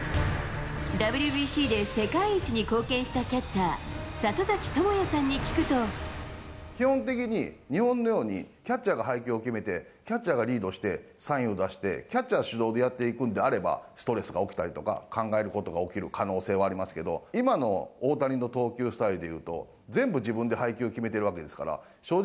ＷＢＣで世界一に貢献したキャッチャー、基本的に日本のように、キャッチャーが配球を決めて、キャッチャーがリードして、サインを出して、キャッチャー主導でやっていくんであれば、ストレスが起きたりとか、考えることが起きる可能性はありますけど、今の大谷の投球スタイルで言うと、全部自分で配球決めてるわけですから、正直、